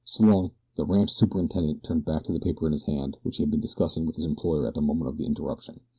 S'long!" The ranch superintendent turned back to the paper in his hand which he had been discussing with his employer at the moment of the interruption.